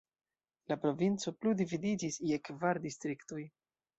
La provinco plu dividiĝis je kvar distriktoj.